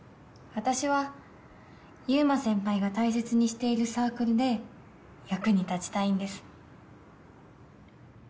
私は優馬先輩が大切にしているサークルで役に立ちたいんです。